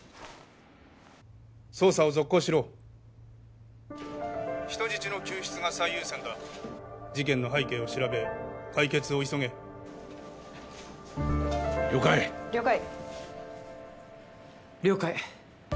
捜査を続行しろ人質の救出が最優先だ事件の背景を調べ解決を急げ了解了解了解